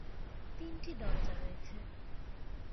তিনটি দরজা রয়েছে।